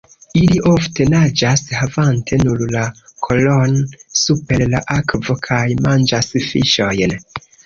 Ili ofte naĝas havante nur la kolon super la akvo kaj manĝas fiŝojn.